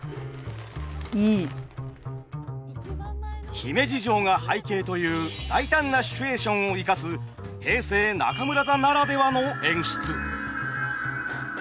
姫路城が背景という大胆なシチュエーションを生かす平成中村座ならではの演出。